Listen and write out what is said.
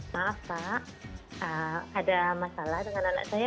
maaf pak ada masalah dengan anak saya